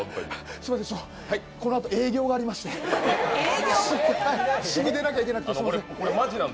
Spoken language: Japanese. すいません、このあと営業がありましてすぐ出なきゃいけなくて、すいません。